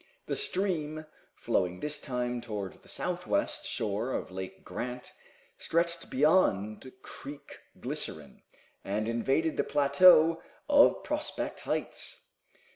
The stream, flowing this time towards the southwest shore of Lake Grant, stretched beyond Creek Glycerine, and invaded the plateau of Prospect Heights.